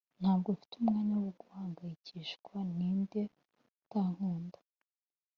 ntabwo mfite umwanya wo guhangayikishwa ninde utankunda.